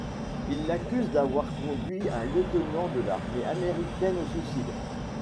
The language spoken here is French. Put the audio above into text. Il l'accuse d'avoir conduit un lieutenant de l'armée américaine au suicide.